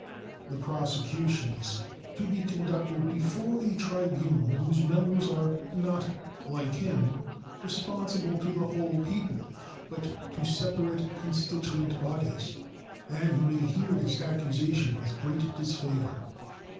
The prosecution is to be conducted before a tribunal whose members are not, like him, responsible to the whole people, but to separate constituent bodies, and who may hear his accusation with great disfavor.